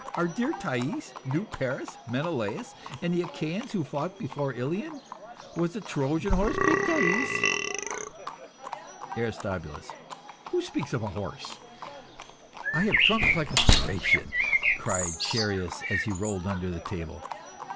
Our dear Thais knew Paris, Menelaus, and the Achaians who fought before Ilion! Was the Trojan horse big, Thais? ARISTOBULUS. Who speaks of a horse? "I have drunk like a Thracian!" cried Chereas and he rolled under the table.